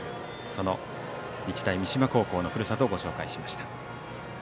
その日大三島高校のふるさとをご紹介しました。